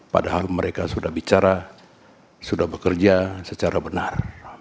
padahal mereka sudah bicara sudah bekerja secara benar